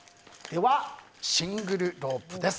シングルロープです。